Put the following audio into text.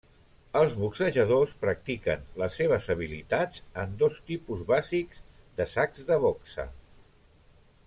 Els boxejadors practiquen les seves habilitats en dos tipus bàsics de sacs de boxa.